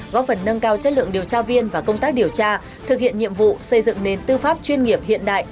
góp phần nâng cao chất lượng điều tra viên và công tác điều tra thực hiện nhiệm vụ xây dựng nền tư pháp chuyên nghiệp hiện đại